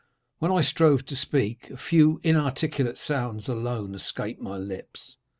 When I strove to speak, a few inarticulate sounds alone escaped my lips.